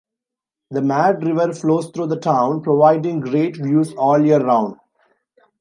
The Mad River flows through the town, providing great views all year round.